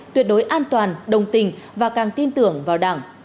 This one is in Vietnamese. tuyệt đối an toàn đồng tình và càng tin tưởng vào đảng